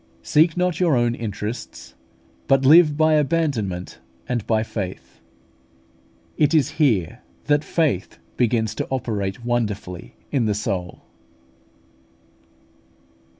Seek not your own interests, but live by abandonment and by faith. It is here that faith begins to operate wonderfully in the soul.